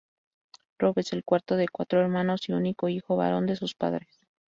Rob es el cuarto de cuatro hermanos y único hijo varón de sus padres.